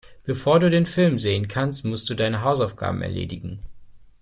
Bevor du den Film sehen kannst, musst du deine Hausaufgaben erledigen.